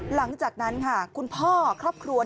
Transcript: หลังจากนั้นค่ะคุณพ่อครอบครัว